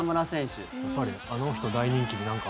やっぱりあの人大人気でなんか。